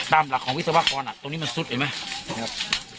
ตามหลักของวิศวกรตรงนี้มันซุดเห็นไหมนะครับ